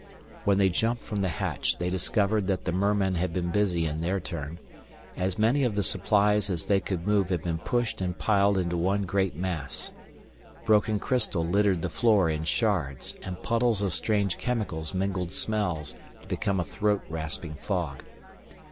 When they jumped from the hatch, they discovered that the mermen had been busy in their turn. As many of the supplies as they could move had been pushed and piled into one great mass. Broken crystal littered the floor in shards and puddles of strange chemicals mingled smells to become a throat rasping fog.